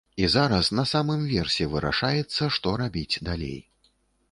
І зараз на самым версе вырашаецца, што рабіць далей.